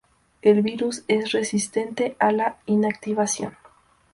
El virus es resistente a la inactivación.